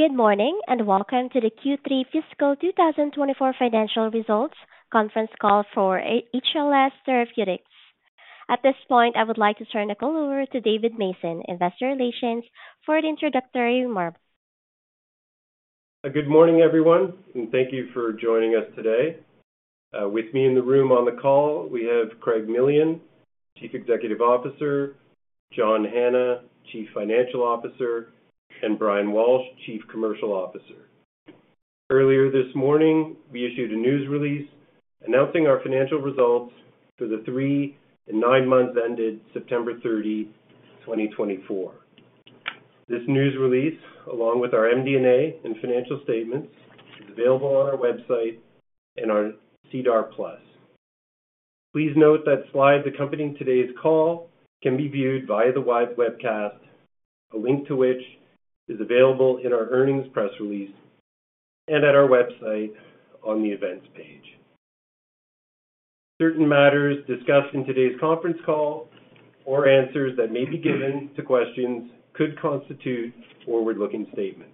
Good morning and welcome to the Q3 Fiscal 2024 Financial Results Conference call for HLS Therapeutics. At this point, I would like to turn the call over to David Mason, Investor Relations, for the introductory remarks. Good morning, everyone, and thank you for joining us today. With me in the room on the call, we have Craig Millian, Chief Executive Officer, John Hanna, Chief Financial Officer, and Brian Walsh, Chief Commercial Officer. Earlier this morning, we issued a news release announcing our financial results for the three and nine months ended September 30, 2024. This news release, along with our MD&A and financial statements, is available on our website and on SEDAR+. Please note that slides accompanying today's call can be viewed via the live webcast, a link to which is available in our earnings press release and at our website on the events page. Certain matters discussed in today's conference call or answers that may be given to questions could constitute forward-looking statements.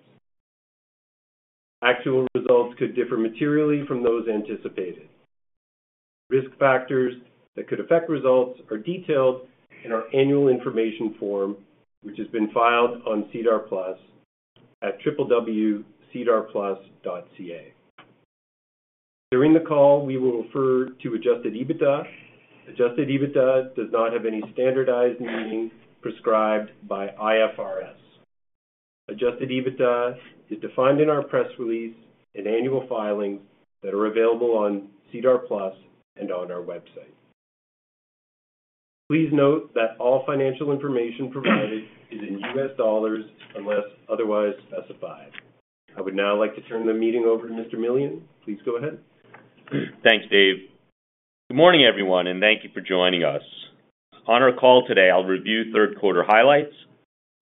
Actual results could differ materially from those anticipated. Risk factors that could affect results are detailed in our Annual Information Form, which has been filed on SEDAR+ at www.sedarplus.ca. During the call, we will refer to Adjusted EBITDA. Adjusted EBITDA does not have any standardized meaning prescribed by IFRS. Adjusted EBITDA is defined in our press release and annual filings that are available on SEDAR+ and on our website. Please note that all financial information provided is in U.S. dollars unless otherwise specified. I would now like to turn the meeting over to Mr. Millian. Please go ahead. Thanks, Dave. Good morning, everyone, and thank you for joining us. On our call today, I'll review third-quarter highlights.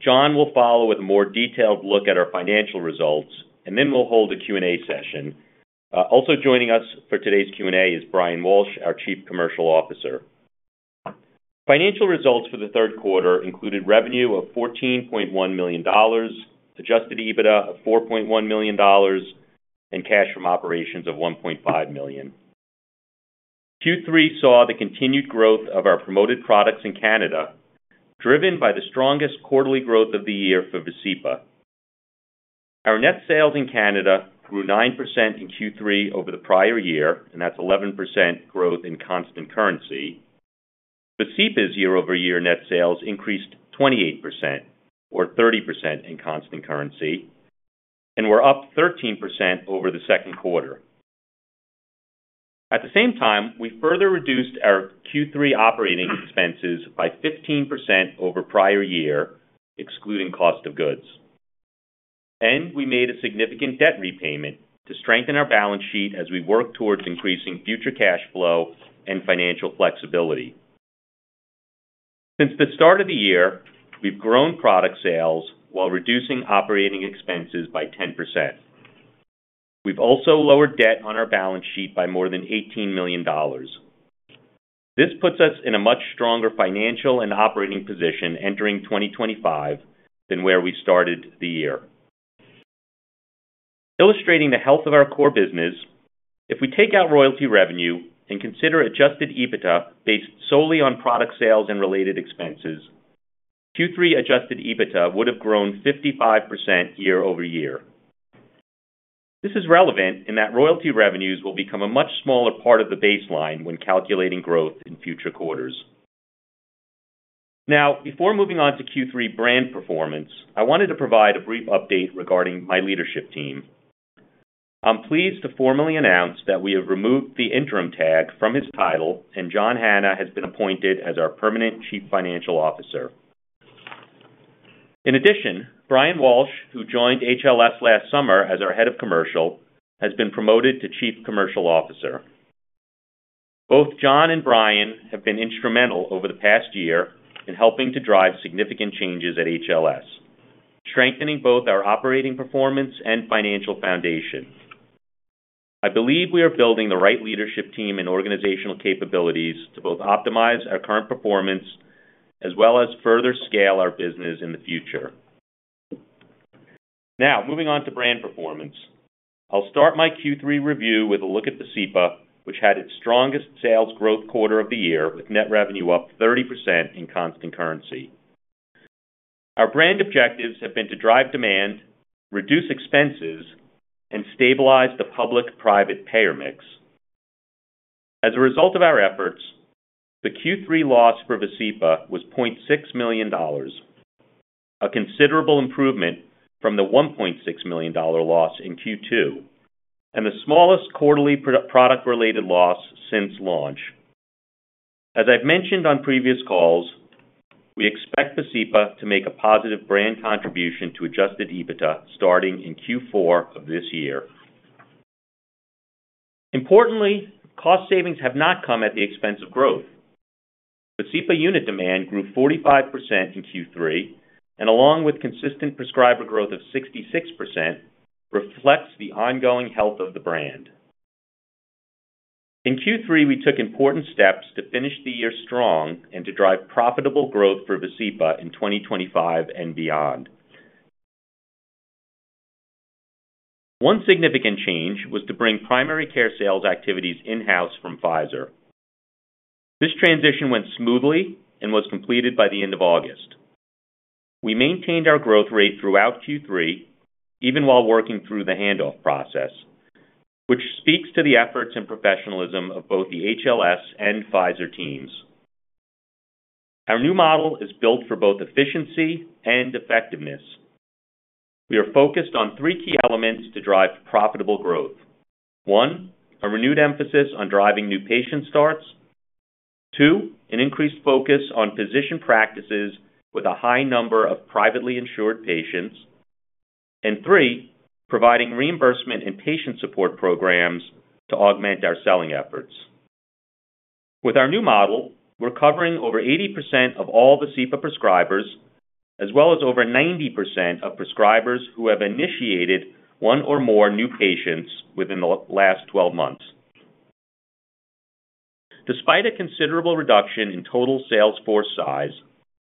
John will follow with a more detailed look at our financial results, and then we'll hold a Q&A session. Also joining us for today's Q&A is Brian Walsh, our Chief Commercial Officer. Financial results for the third quarter included revenue of $14.1 million, Adjusted EBITDA of $4.1 million, and cash from operations of $1.5 million. Q3 saw the continued growth of our promoted products in Canada, driven by the strongest quarterly growth of the year for Vascepa. Our net sales in Canada grew 9% in Q3 over the prior year, and that's 11% growth in constant currency. Vascepa's year-over-year net sales increased 28%, or 30% in constant currency, and were up 13% over the second quarter. At the same time, we further reduced our Q3 operating expenses by 15% over prior year, excluding cost of goods, and we made a significant debt repayment to strengthen our balance sheet as we work towards increasing future cash flow and financial flexibility. Since the start of the year, we've grown product sales while reducing operating expenses by 10%. We've also lowered debt on our balance sheet by more than $18 million. This puts us in a much stronger financial and operating position entering 2025 than where we started the year. Illustrating the health of our core business, if we take out royalty revenue and consider Adjusted EBITDA based solely on product sales and related expenses, Q3 Adjusted EBITDA would have grown 55% year-over-year. This is relevant in that royalty revenues will become a much smaller part of the baseline when calculating growth in future quarters. Now, before moving on to Q3 brand performance, I wanted to provide a brief update regarding my leadership team. I'm pleased to formally announce that we have removed the interim tag from his title, and John Hanna has been appointed as our permanent Chief Financial Officer. In addition, Brian Walsh, who joined HLS last summer as our Head of Commercial, has been promoted to Chief Commercial Officer. Both John and Brian have been instrumental over the past year in helping to drive significant changes at HLS, strengthening both our operating performance and financial foundation. I believe we are building the right leadership team and organizational capabilities to both optimize our current performance as well as further scale our business in the future. Now, moving on to brand performance, I'll start my Q3 review with a look at Vascepa, which had its strongest sales growth quarter of the year with net revenue up 30% in constant currency. Our brand objectives have been to drive demand, reduce expenses, and stabilize the public-private payer mix. As a result of our efforts, the Q3 loss for Vascepa was $0.6 million, a considerable improvement from the $1.6 million loss in Q2 and the smallest quarterly product-related loss since launch. As I've mentioned on previous calls, we expect Vascepa to make a positive brand contribution to Adjusted EBITDA starting in Q4 of this year. Importantly, cost savings have not come at the expense of growth. Vascepa unit demand grew 45% in Q3, and along with consistent prescriber growth of 66%, reflects the ongoing health of the brand. In Q3, we took important steps to finish the year strong and to drive profitable growth for Vascepa in 2025 and beyond. One significant change was to bring primary care sales activities in-house from Pfizer. This transition went smoothly and was completed by the end of August. We maintained our growth rate throughout Q3, even while working through the handoff process, which speaks to the efforts and professionalism of both the HLS and Pfizer teams. Our new model is built for both efficiency and effectiveness. We are focused on three key elements to drive profitable growth. One, a renewed emphasis on driving new patient starts. Two, an increased focus on physician practices with a high number of privately insured patients. And three, providing reimbursement and patient support programs to augment our selling efforts. With our new model, we're covering over 80% of all Vascepa prescribers, as well as over 90% of prescribers who have initiated one or more new patients within the last 12 months. Despite a considerable reduction in total sales force size,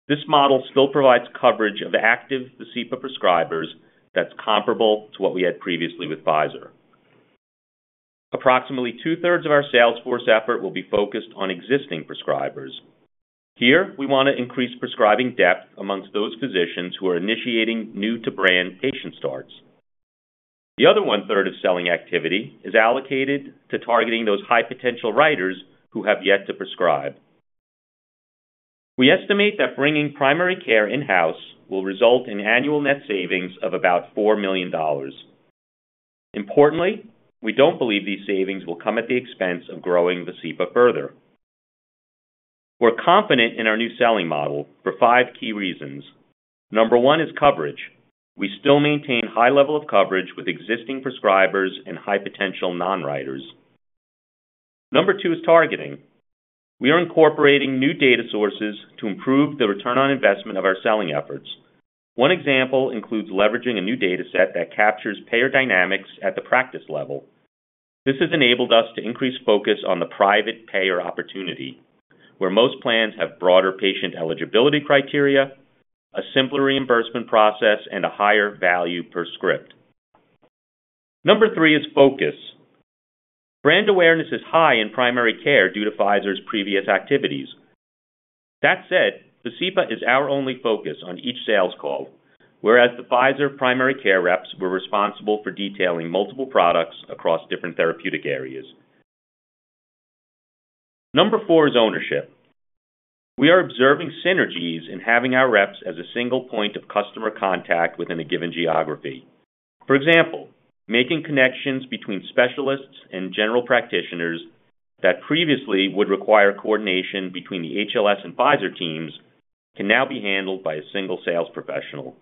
this model still provides coverage of active Vascepa prescribers that's comparable to what we had previously with Pfizer. Approximately two-thirds of our sales force effort will be focused on existing prescribers. Here, we want to increase prescribing depth among those physicians who are initiating new-to-brand patient starts. The other one-third of selling activity is allocated to targeting those high-potential writers who have yet to prescribe. We estimate that bringing primary care in-house will result in annual net savings of about $4 million. Importantly, we don't believe these savings will come at the expense of growing Vascepa further. We're confident in our new selling model for five key reasons. Number one is coverage. We still maintain high level of coverage with existing prescribers and high-potential non-writers. Number two is targeting. We are incorporating new data sources to improve the return on investment of our selling efforts. One example includes leveraging a new data set that captures payer dynamics at the practice level. This has enabled us to increase focus on the private payer opportunity, where most plans have broader patient eligibility criteria, a simpler reimbursement process, and a higher value per script. Number three is focus. Brand awareness is high in primary care due to Pfizer's previous activities. That said, Vascepa is our only focus on each sales call, whereas the Pfizer primary care reps were responsible for detailing multiple products across different therapeutic areas. Number four is ownership. We are observing synergies in having our reps as a single point of customer contact within a given geography. For example, making connections between specialists and general practitioners that previously would require coordination between the HLS and Pfizer teams can now be handled by a single sales professional.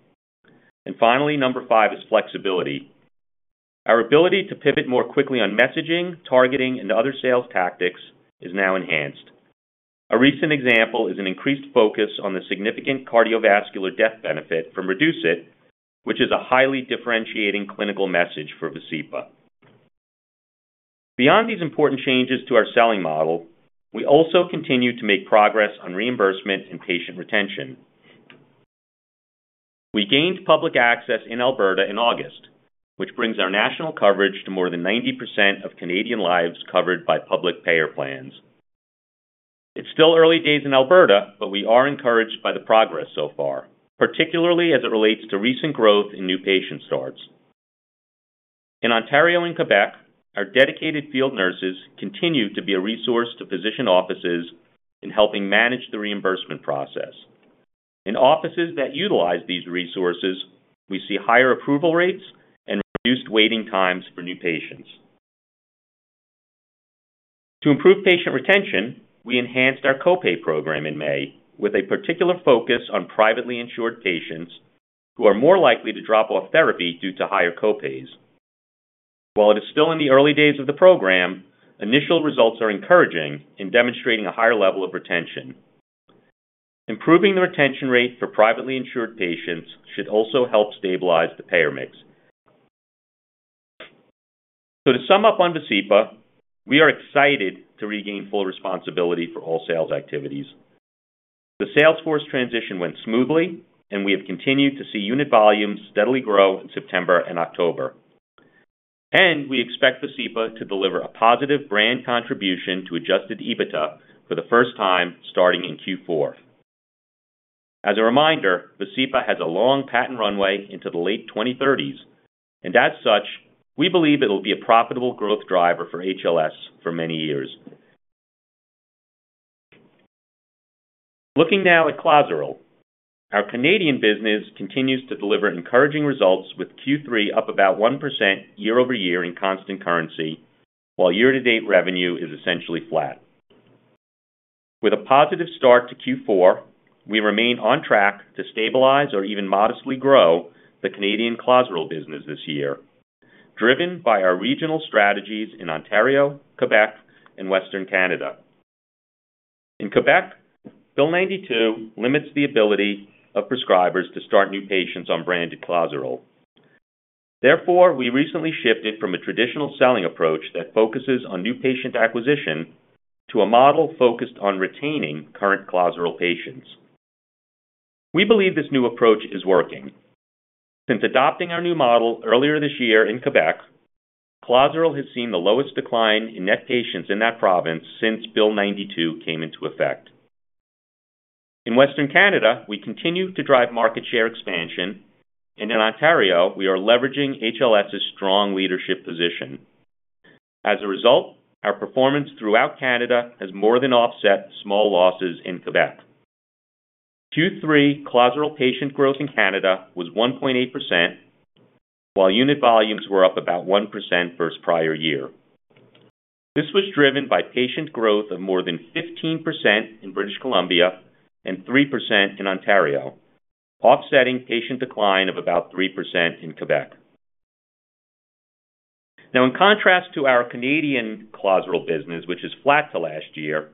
Finally, number five is flexibility. Our ability to pivot more quickly on messaging, targeting, and other sales tactics is now enhanced. A recent example is an increased focus on the significant cardiovascular death benefit from REDUCE-IT, which is a highly differentiating clinical message for Vascepa. Beyond these important changes to our selling model, we also continue to make progress on reimbursement and patient retention. We gained public access in Alberta in August, which brings our national coverage to more than 90% of Canadian lives covered by public payer plans. It's still early days in Alberta, but we are encouraged by the progress so far, particularly as it relates to recent growth in new patient starts. In Ontario and Quebec, our dedicated field nurses continue to be a resource to physician offices in helping manage the reimbursement process. In offices that utilize these resources, we see higher approval rates and reduced waiting times for new patients. To improve patient retention, we enhanced our copay program in May with a particular focus on privately insured patients who are more likely to drop off therapy due to higher copays. While it is still in the early days of the program, initial results are encouraging in demonstrating a higher level of retention. Improving the retention rate for privately insured patients should also help stabilize the payer mix. So to sum up on Vascepa, we are excited to regain full responsibility for all sales activities. The sales force transition went smoothly, and we have continued to see unit volumes steadily grow in September and October. We expect Vascepa to deliver a positive brand contribution to Adjusted EBITDA for the first time starting in Q4. As a reminder, Vascepa has a long patent runway into the late 2030s, and as such, we believe it will be a profitable growth driver for HLS for many years. Looking now at Clozaril, our Canadian business continues to deliver encouraging results with Q3 up about 1% year-over year in constant currency, while year-to-date revenue is essentially flat. With a positive start to Q4, we remain on track to stabilize or even modestly grow the Canadian Clozaril business this year, driven by our regional strategies in Ontario, Quebec, and Western Canada. In Quebec, Bill 92 limits the ability of prescribers to start new patients on branded Clozaril. Therefore, we recently shifted from a traditional selling approach that focuses on new patient acquisition to a model focused on retaining current Clozaril patients. We believe this new approach is working. Since adopting our new model earlier this year in Quebec, Clozaril has seen the lowest decline in net patients in that province since Bill 92 came into effect. In Western Canada, we continue to drive market share expansion, and in Ontario, we are leveraging HLS's strong leadership position. As a result, our performance throughout Canada has more than offset small losses in Quebec. Q3 Clozaril patient growth in Canada was 1.8%, while unit volumes were up about 1% versus prior year. This was driven by patient growth of more than 15% in British Columbia and 3% in Ontario, offsetting patient decline of about 3% in Quebec. Now, in contrast to our Canadian Clozaril business, which is flat to last year,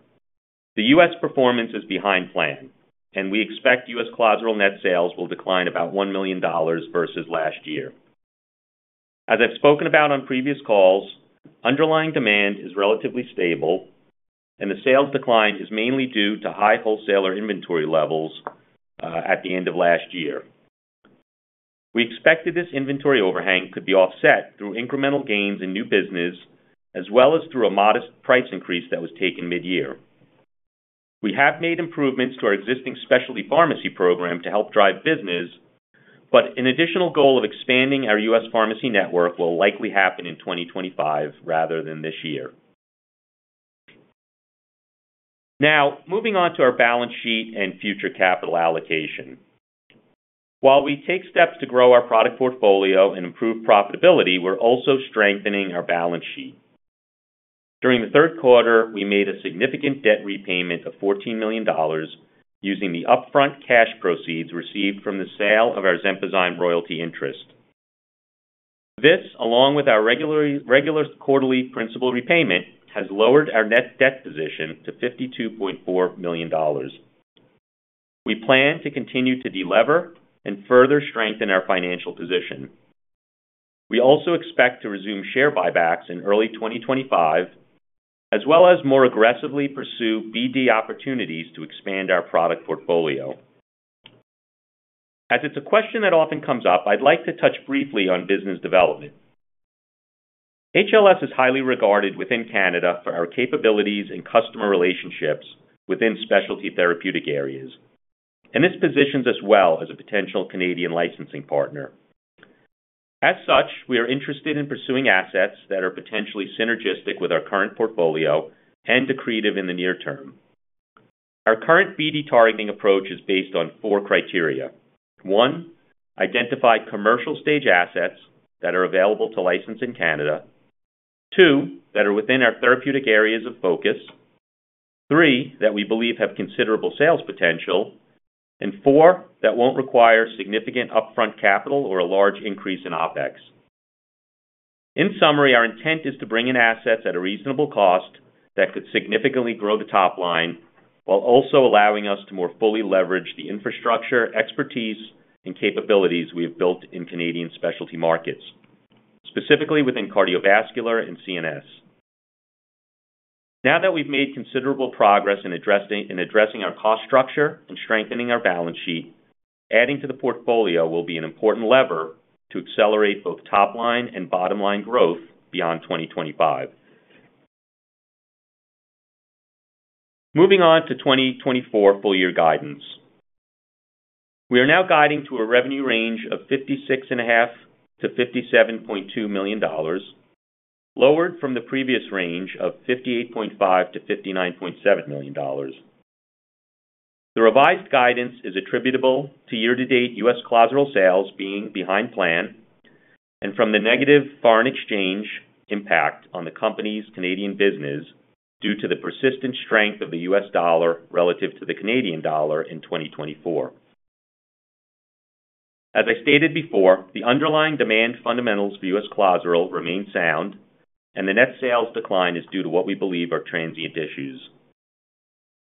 the U.S. performance is behind plan, and we expect U.S. Clozaril net sales will decline about $1 million versus last year. As I've spoken about on previous calls, underlying demand is relatively stable, and the sales decline is mainly due to high wholesaler inventory levels at the end of last year. We expected this inventory overhang could be offset through incremental gains in new business, as well as through a modest price increase that was taken mid-year. We have made improvements to our existing specialty pharmacy program to help drive business, but an additional goal of expanding our U.S. pharmacy network will likely happen in 2025 rather than this year. Now, moving on to our balance sheet and future capital allocation. While we take steps to grow our product portfolio and improve profitability, we're also strengthening our balance sheet. During the third quarter, we made a significant debt repayment of $14 million using the upfront cash proceeds received from the sale of our Zembrace SymTouch royalty interest. This, along with our regular quarterly principal repayment, has lowered our net debt position to $52.4 million. We plan to continue to deliver and further strengthen our financial position. We also expect to resume share buybacks in early 2025, as well as more aggressively pursue BD opportunities to expand our product portfolio. As it's a question that often comes up, I'd like to touch briefly on business development. HLS is highly regarded within Canada for our capabilities and customer relationships within specialty therapeutic areas, and this positions us well as a potential Canadian licensing partner. As such, we are interested in pursuing assets that are potentially synergistic with our current portfolio and decreative in the near term. Our current BD targeting approach is based on four criteria. One, identify commercial-stage assets that are available to license in Canada. Two, that are within our therapeutic areas of focus. Three, that we believe have considerable sales potential. And four, that won't require significant upfront capital or a large increase in OpEx. In summary, our intent is to bring in assets at a reasonable cost that could significantly grow the top line while also allowing us to more fully leverage the infrastructure, expertise, and capabilities we have built in Canadian specialty markets, specifically within cardiovascular and CNS. Now that we've made considerable progress in addressing our cost structure and strengthening our balance sheet, adding to the portfolio will be an important lever to accelerate both top line and bottom line growth beyond 2025. Moving on to 2024 full-year guidance. We are now guiding to a revenue range of $56.5-$57.2 million, lowered from the previous range of $58.5-$59.7 million. The revised guidance is attributable to year-to-date U.S. Clozaril sales being behind plan and from the negative foreign exchange impact on the company's Canadian business due to the persistent strength of the U.S. dollar relative to the Canadian dollar in 2024. As I stated before, the underlying demand fundamentals for U.S. Clozaril remain sound, and the net sales decline is due to what we believe are transient issues.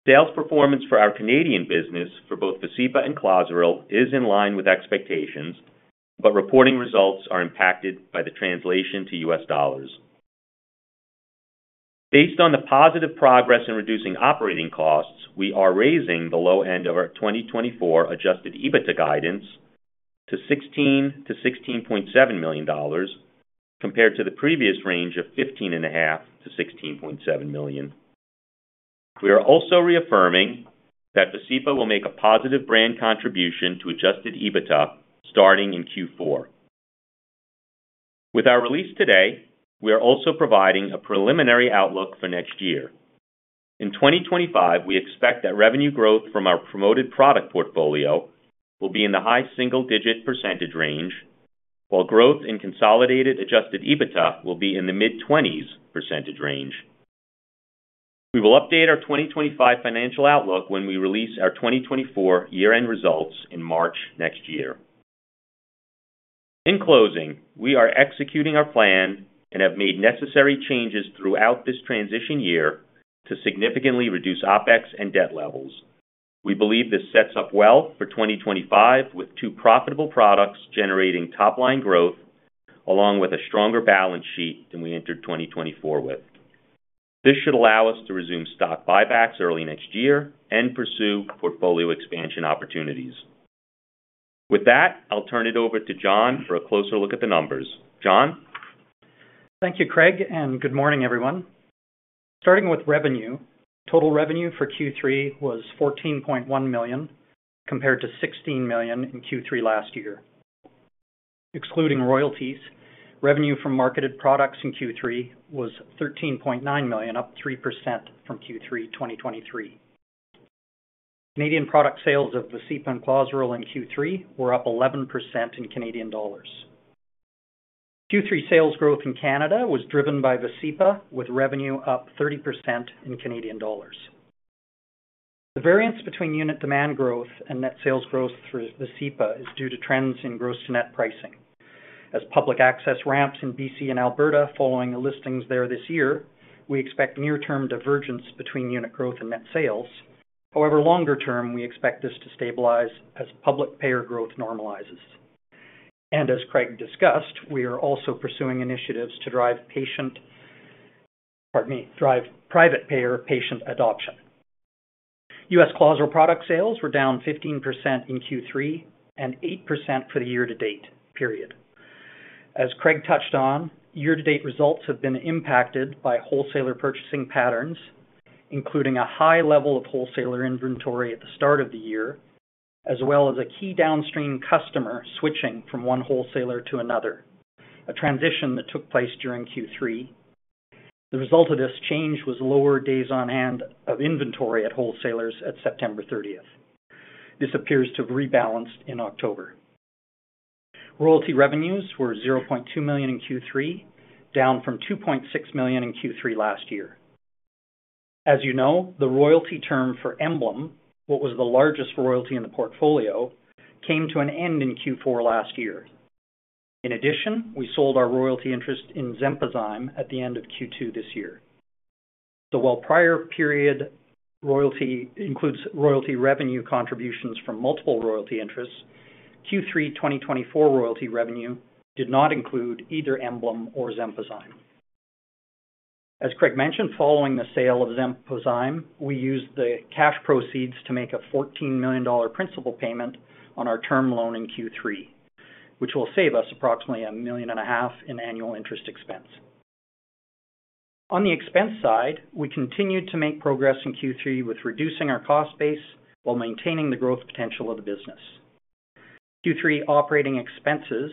Sales performance for our Canadian business for both Vascepa and Clozaril is in line with expectations, but reporting results are impacted by the translation to US dollars. Based on the positive progress in reducing operating costs, we are raising the low end of our 2024 Adjusted EBITDA guidance to $16-$16.7 million compared to the previous range of $15.5-$16.7 million. We are also reaffirming that Vascepa will make a positive brand contribution to Adjusted EBITDA starting in Q4. With our release today, we are also providing a preliminary outlook for next year. In 2025, we expect that revenue growth from our promoted product portfolio will be in the high single-digit percentage range, while growth in consolidated Adjusted EBITDA will be in the mid-20s percentage range. We will update our 2025 financial outlook when we release our 2024 year-end results in March next year. In closing, we are executing our plan and have made necessary changes throughout this transition year to significantly reduce OPEX and debt levels. We believe this sets up well for 2025 with two profitable products generating top-line growth along with a stronger balance sheet than we entered 2024 with. This should allow us to resume stock buybacks early next year and pursue portfolio expansion opportunities. With that, I'll turn it over to John for a closer look at the numbers. John? Thank you, Craig, and good morning, everyone. Starting with revenue, total revenue for Q3 was $14.1 million compared to $16 million in Q3 last year. Excluding royalties, revenue from marketed products in Q3 was $13.9 million, up 3% from Q3 2023. Canadian product sales of Vascepa and Clozaril in Q3 were up 11% in Canadian dollars. Q3 sales growth in Canada was driven by Vascepa, with revenue up 30% in Canadian dollars. The variance between unit demand growth and net sales growth through Vascepa is due to trends in gross-to-net pricing. As public access ramps in BC and Alberta following the listings there this year, we expect near-term divergence between unit growth and net sales. However, longer term, we expect this to stabilize as public payer growth normalizes. And as Craig discussed, we are also pursuing initiatives to drive private payer patient adoption. U.S. Clozaril product sales were down 15% in Q3 and 8% for the year-to-date period. As Craig touched on, year-to-date results have been impacted by wholesaler purchasing patterns, including a high level of wholesaler inventory at the start of the year, as well as a key downstream customer switching from one wholesaler to another, a transition that took place during Q3. The result of this change was lower days on hand of inventory at wholesalers at September 30th. This appears to have rebalanced in October. Royalty revenues were $0.2 million in Q3, down from $2.6 million in Q3 last year. As you know, the royalty term for Absorica, what was the largest royalty in the portfolio, came to an end in Q4 last year. In addition, we sold our royalty interest in Zembrace SymTouch at the end of Q2 this year. While prior period royalty includes royalty revenue contributions from multiple royalty interests, Q3 2024 royalty revenue did not include either Absorica or Zembrace SymTouch. As Craig mentioned, following the sale of Zembrace SymTouch, we used the cash proceeds to make a $14 million principal payment on our term loan in Q3, which will save us approximately $1.5 million in annual interest expense. On the expense side, we continued to make progress in Q3 with reducing our cost base while maintaining the growth potential of the business. Q3 operating expenses,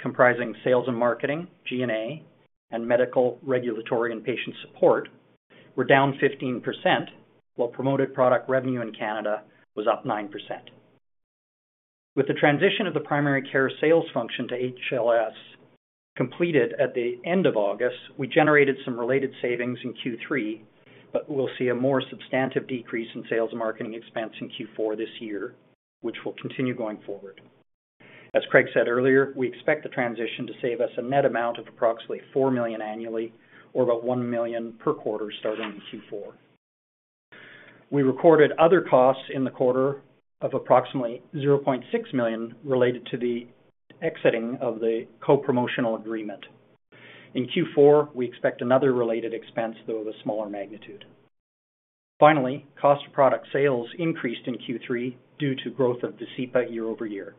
comprising sales and marketing, G&A, and medical, regulatory, and patient support, were down 15%, while promoted product revenue in Canada was up 9%. With the transition of the primary care sales function to HLS completed at the end of August, we generated some related savings in Q3, but we'll see a more substantive decrease in sales and marketing expense in Q4 this year, which will continue going forward. As Craig said earlier, we expect the transition to save us a net amount of approximately $4 million annually, or about $1 million per quarter starting in Q4. We recorded other costs in the quarter of approximately $0.6 million related to the exiting of the co-promotional agreement. In Q4, we expect another related expense, though of a smaller magnitude. Finally, cost of product sales increased in Q3 due to growth of Vascepa year over year.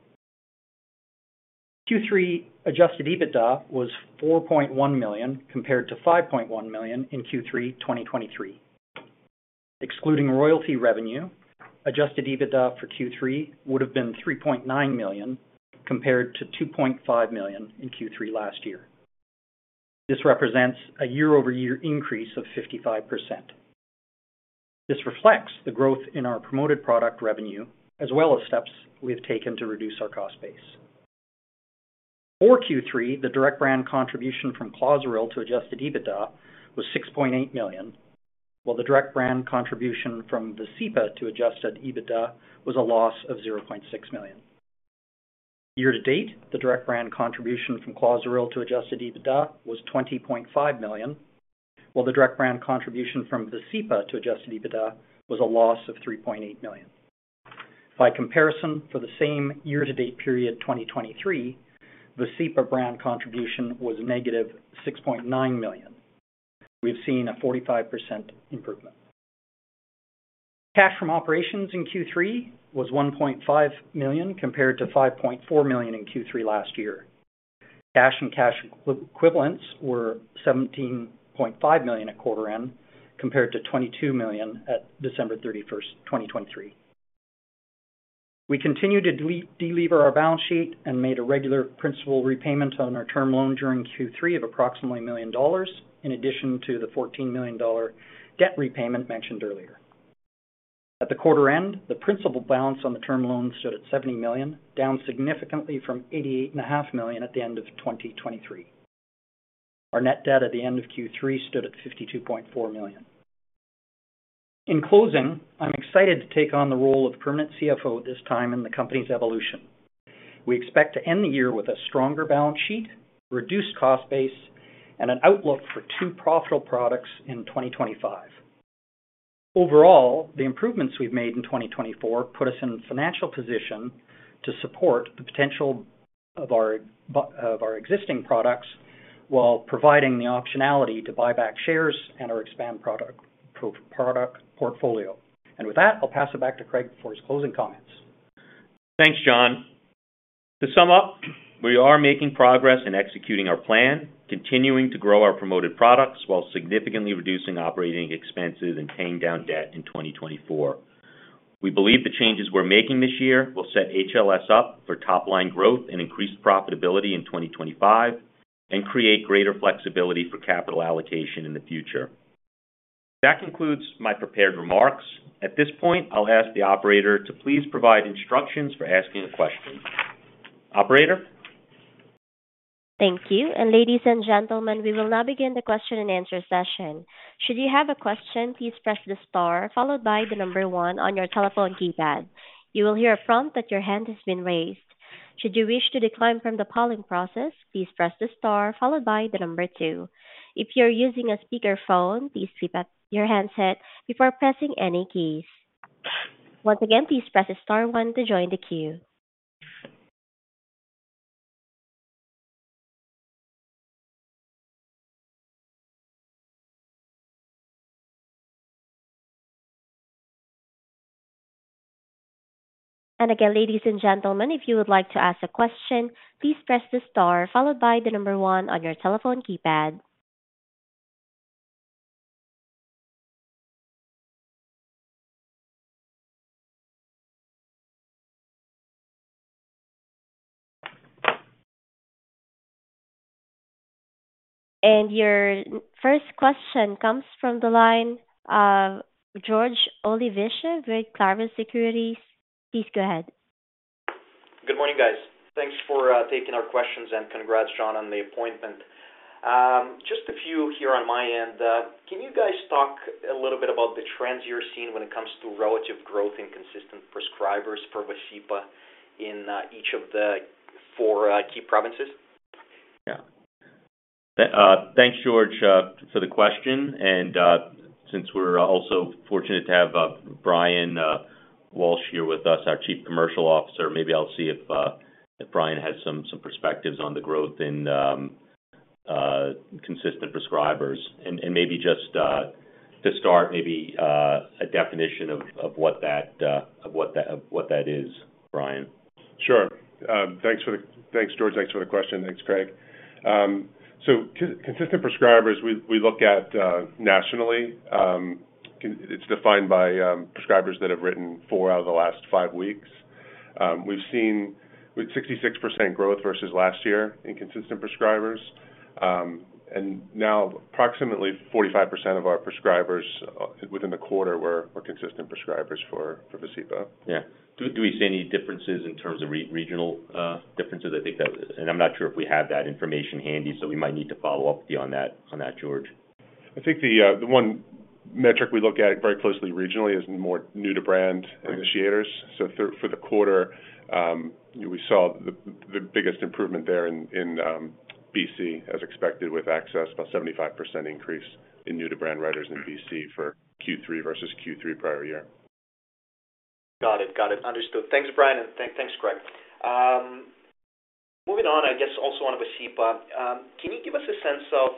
Q3 Adjusted EBITDA was $4.1 million compared to $5.1 million in Q3 2023. Excluding royalty revenue, Adjusted EBITDA for Q3 would have been $3.9 million compared to $2.5 million in Q3 last year. This represents a year-over-year increase of 55%. This reflects the growth in our promoted product revenue, as well as steps we have taken to reduce our cost base. For Q3, the direct brand contribution from Clozaril to Adjusted EBITDA was $6.8 million, while the direct brand contribution from Vascepa to Adjusted EBITDA was a loss of $0.6 million. Year-to-date, the direct brand contribution from Clozaril to Adjusted EBITDA was $20.5 million, while the direct brand contribution from Vascepa to Adjusted EBITDA was a loss of $3.8 million. By comparison, for the same year-to-date period 2023, Vascepa brand contribution was negative $6.9 million. We've seen a 45% improvement. Cash from operations in Q3 was $1.5 million compared to $5.4 million in Q3 last year. Cash and cash equivalents were $17.5 million at quarter-end compared to $22 million at December 31st, 2023. We continued to deliver our balance sheet and made a regular principal repayment on our term loan during Q3 of approximately $1 million in addition to the $14 million debt repayment mentioned earlier. At the quarter-end, the principal balance on the term loan stood at $70 million, down significantly from $88.5 million at the end of 2023. Our net debt at the end of Q3 stood at $52.4 million. In closing, I'm excited to take on the role of permanent CFO at this time in the company's evolution. We expect to end the year with a stronger balance sheet, reduced cost base, and an outlook for two profitable products in 2025. Overall, the improvements we've made in 2024 put us in a financial position to support the potential of our existing products while providing the optionality to buy back shares and to expand our product portfolio, and with that, I'll pass it back to Craig for his closing comments. Thanks, John. To sum up, we are making progress in executing our plan, continuing to grow our promoted products while significantly reducing operating expenses and paying down debt in 2024. We believe the changes we're making this year will set HLS up for top-line growth and increased profitability in 2025 and create greater flexibility for capital allocation in the future. That concludes my prepared remarks. At this point, I'll ask the operator to please provide instructions for asking a question. Operator? Thank you. And ladies and gentlemen, we will now begin the question and answer session. Should you have a question, please press the star followed by the number one on your telephone keypad. You will hear a prompt that your hand has been raised. Should you wish to decline from the polling process, please press the star followed by the number two. If you're using a speakerphone, please keep your handset set before pressing any keys. Once again, please press star one to join the queue. And again, ladies and gentlemen, if you would like to ask a question, please press the star followed by the number one on your telephone keypad. And your first question comes from the line of George Ulybyshev of Vinclavis Securities. Please go ahead. Good morning, guys. Thanks for taking our questions and congrats, John, on the appointment. Just a few here on my end. Can you guys talk a little bit about the trends you're seeing when it comes to relative growth in consistent prescribers for Vascepa in each of the four key provinces? Yeah. Thanks, George, for the question. And since we're also fortunate to have Brian Walsh here with us, our Chief Commercial Officer, maybe I'll see if Brian has some perspectives on the growth in consistent prescribers. And maybe just to start, maybe a definition of what that is, Brian. Sure. Thanks, George. Thanks for the question. Thanks, Craig. So, consistent prescribers we look at nationally. It's defined by prescribers that have written four out of the last five weeks. We've seen 66% growth versus last year in consistent prescribers. And now, approximately 45% of our prescribers within the quarter were consistent prescribers for Vascepa. Yeah. Do we see any differences in terms of regional differences? And I'm not sure if we have that information handy, so we might need to follow up with you on that, George. I think the one metric we look at very closely regionally is more new-to-brand initiators. So for the quarter, we saw the biggest improvement there in BC, as expected, with access, about a 75% increase in new-to-brand writers in BC for Q3 versus Q3 prior year. Got it. Got it. Understood. Thanks, Brian, and thanks, Craig. Moving on, I guess, also on Vascepa, can you give us a sense of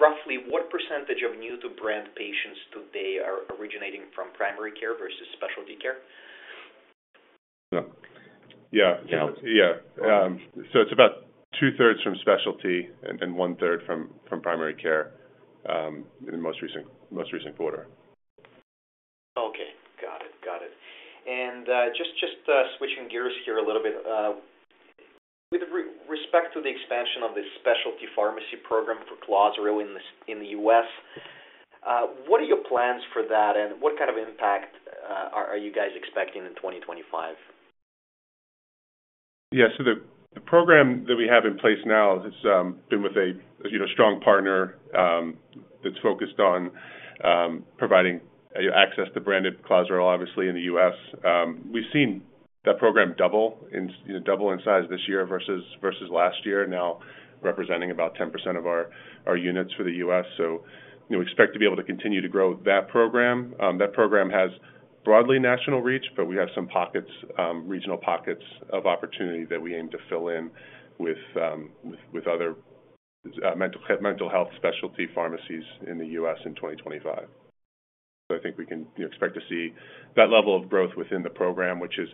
roughly what percentage of new-to-brand patients today are originating from primary care versus specialty care? Yeah, yeah, yeah, so it's about two-thirds from specialty and one-third from primary care in the most recent quarter. Okay. Got it. Got it. And just switching gears here a little bit, with respect to the expansion of the specialty pharmacy program for Clozaril in the U.S., what are your plans for that, and what kind of impact are you guys expecting in 2025? Yeah. So the program that we have in place now has been with a strong partner that's focused on providing access to branded Clozaril, obviously, in the U.S. We've seen that program double in size this year versus last year, now representing about 10% of our units for the U.S. So we expect to be able to continue to grow that program. That program has broadly national reach, but we have some regional pockets of opportunity that we aim to fill in with other mental health specialty pharmacies in the U.S. in 2025. So I think we can expect to see that level of growth within the program, which is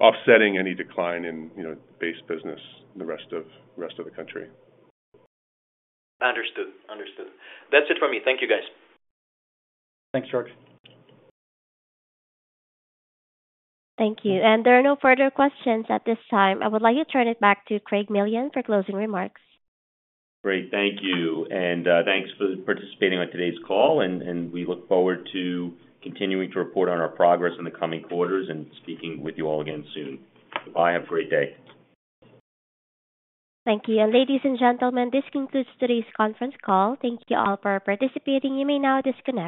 offsetting any decline in base business in the rest of the country. Understood. Understood. That's it for me. Thank you, guys. Thanks, George. Thank you, and there are no further questions at this time. I would like to turn it back to Craig Millian for closing remarks. Great. Thank you. And thanks for participating on today's call. And we look forward to continuing to report on our progress in the coming quarters and speaking with you all again soon. Bye. Have a great day. Thank you. And ladies and gentlemen, this concludes today's conference call. Thank you all for participating. You may now disconnect.